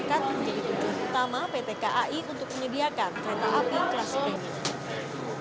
menjadi tujuan utama pt kai untuk menyediakan kereta api klasik